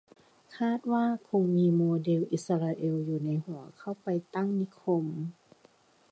คาดว่าคงมีโมเดลอิสราเอลอยู่ในหัว เข้าไปตั้งนิคม